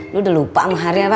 lu udah lupa sama hari apa